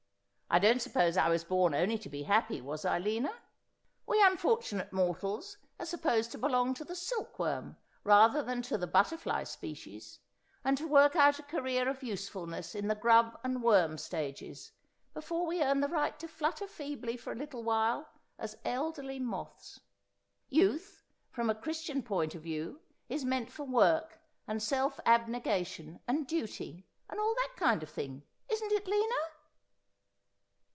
I don't suppose I was born only to be happy, was I, Lina ? We unfortunate mortals are supposed to belong to the silkworm rather than to the butterfly species, and to work out a career of usefulness in the grub and worm stages, before we earn the right to flutter feebly for a little while as elderly moths. Youth, from a Chris tian point of view, is meant for work and self abnegation, and duty, and all that kind of thing ; isn't it, Lina